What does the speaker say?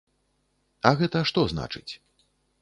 А гэта што значыць?